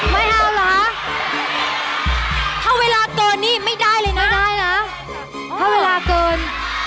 ไม่เอาเหรอคะถ้าเวลาเกินนี่ไม่ได้เลยนะได้นะถ้าเวลาเกิน